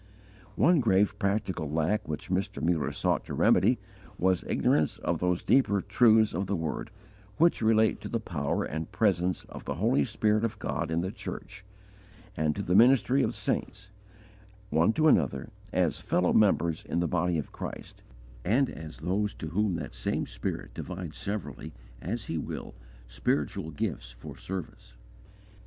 One grave practical lack which Mr. Muller sought to remedy was ignorance of those deeper truths of the Word, which relate to the power and presence of the Holy Spirit of God in the church, and to the ministry of saints, one to another, as fellow members in the body of Christ, and as those to whom that same Spirit divides severally, as He will, spiritual gifts for service.